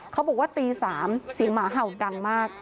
เขาบอกว่าตี๓เสียงหมาเห่าดังมาก